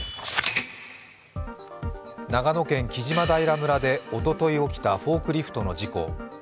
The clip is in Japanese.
長野県木島平村でおととい起きたフォークリフトの事故。